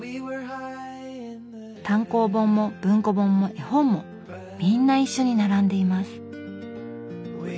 単行本も文庫本も絵本もみんな一緒に並んでいます。